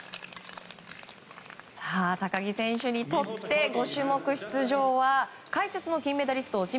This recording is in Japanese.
高木選手にとって５種目出場は解説の金メダリスト